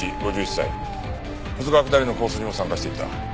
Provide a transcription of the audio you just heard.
保津川下りのコースにも参加していた。